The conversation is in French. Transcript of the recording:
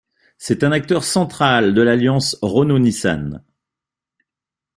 C’est un acteur central de l’alliance Renault-Nissan.